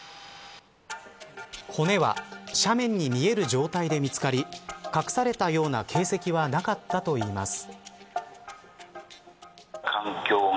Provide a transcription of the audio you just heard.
骨は斜面に見える状態で見つかり隠されたような形跡はなかったといいます。